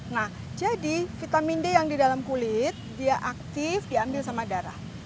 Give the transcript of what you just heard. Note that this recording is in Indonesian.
nah jadi vitamin d yang di dalam kulit dia aktif diambil sama darah